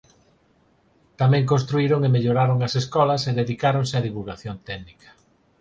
Tamén construíron e melloraron as escolas e dedicáronse á divulgación técnica.